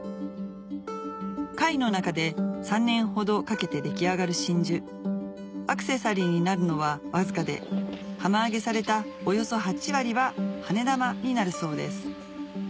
貝の中で３年ほどかけて出来上がる真珠アクセサリーになるのはわずかで浜揚げされたおよそ８割ははね玉になるそうです